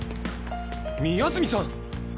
宮澄さん！